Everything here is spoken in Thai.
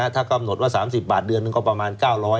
ถ้ากำหนดว่า๓๐บาทเดือนหนึ่งก็ประมาณ๙๐๐